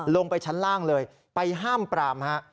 ลงไปชั้นล่างเลยไปห้ามปรามฮะ